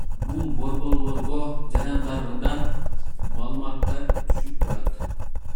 Бул борборлорго жарандардан маалыматтар түшүп турат.